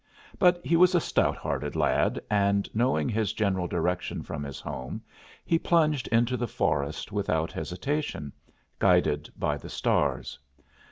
But he was a stout hearted lad, and knowing his general direction from his home, he plunged into the forest without hesitation, guided by the stars.